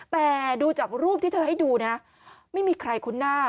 แต่ดูจากรูปที่เธอให้ดูนะไม่มีใครคุ้นหน้า